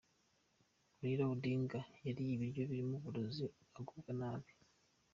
Raila Odinga yariye ibiryo birimo uburozi agubwa nabi .